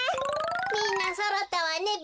みんなそろったわねべ。